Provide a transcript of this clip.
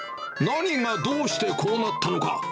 何がどうしてこうなったのか。